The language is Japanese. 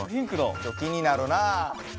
気になるな！